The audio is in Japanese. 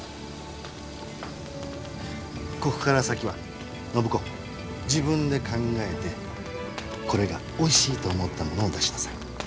ここから先は暢子自分で考えてこれがおいしいと思ったものを出しなさい。